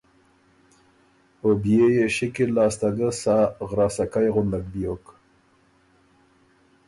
او بيې يې شِکل لاسته ګه سا غراسَکئ غُندک بيوک